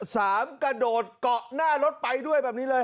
กระโดดเกาะหน้ารถไปด้วยแบบนี้เลย